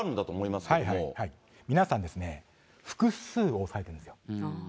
ま皆さん、複数押さえてるんですよ。